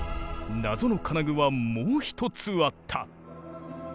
謎の金具はもう一つあった。